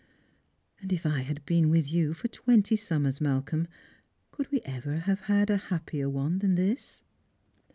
And if I had been with you for twenty summers, Malcolm, could we ever have had a happier one than this